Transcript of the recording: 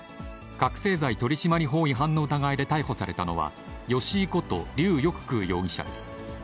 覚醒剤取締法違反の疑いで逮捕されたのは、吉井こと劉翼空容疑者です。